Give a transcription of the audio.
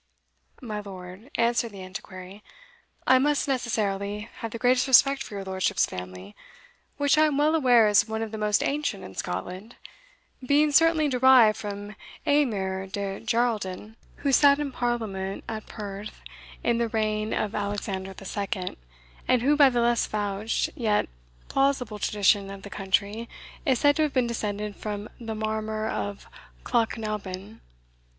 "My lord," answered the Antiquary, "I must necessarily have the greatest respect for your lordship's family, which I am well aware is one of the most ancient in Scotland, being certainly derived from Aymer de Geraldin, who sat in parliament at Perth, in the reign of Alexander II., and who by the less vouched, yet plausible tradition of the country, is said to have been descended from the Marmor of Clochnaben.